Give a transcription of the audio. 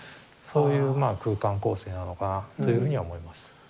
そういうまあ空間構成なのかなというふうには思います。